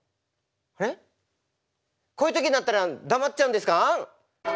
こういう時になったら黙っちゃうんですか？